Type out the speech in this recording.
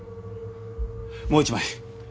もう一枚！